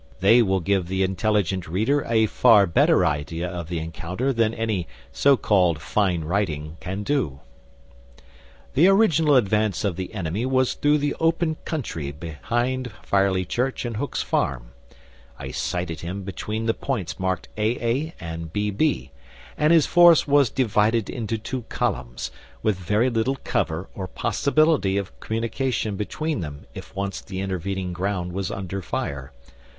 They will give the intelligent reader a far better idea of the encounter than any so called 'fine writing' can do. "The original advance of the enemy was through the open country behind Firely Church and Hook's Farm; I sighted him between the points marked A A and B B, and his force was divided into two columns, with very little cover or possibility of communication between them if once the intervening ground was under fire.